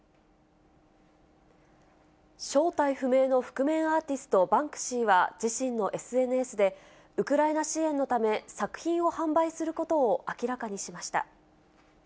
正体不明の覆面アーティスト、バンクシーは、自身のＳＮＳで、ウクライナ支援のため作品を販売することを明らかにしました。